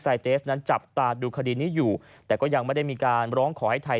เตสนั้นจับตาดูคดีนี้อยู่แต่ก็ยังไม่ได้มีการร้องขอให้ไทย